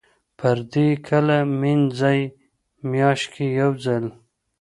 پردې کله مینځئ؟ میاشت کې یوځل